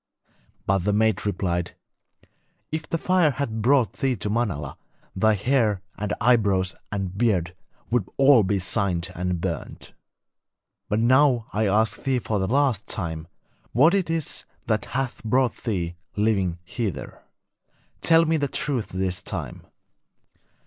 But the maid replied: 'If the fire had brought thee to Manala, thy hair and eyebrows and beard would be all singed and burnt. But now I ask thee for the last time what it is that hath brought thee, living, hither. Tell me the truth this time.'